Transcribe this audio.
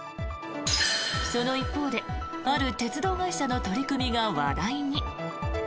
その一方である鉄道会社の取り組みが話題に。